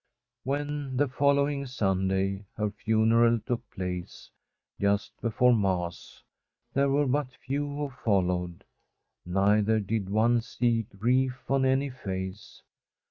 When, the following Sunday, her funeral took place, just before Mass, there were but few who followed, neither did one see grief on any face.